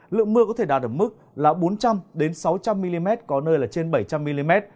lượng mưa có thể đạt ở mức là bốn trăm linh sáu trăm linh mm có nơi là trên bảy trăm linh mm